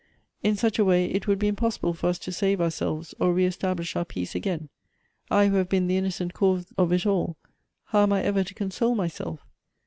In such a way it would be impossible for us to save ourselves, or reestablish our peace again. I 272 Goethe's who have been the innocent cause of it all, how am I ever to console myself?